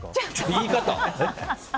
言い方。